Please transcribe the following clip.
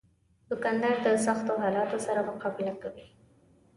دوکاندار د سختو حالاتو سره مقابله کوي.